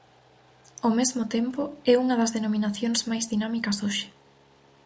Ao mesmo tempo, é unha das denominacións máis dinámicas hoxe.